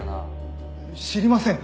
知りません。